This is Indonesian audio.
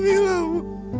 bu ya allah bu